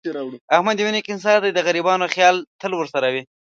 احمد یو نېک انسان دی. د غریبانو خیال تل ورسره وي.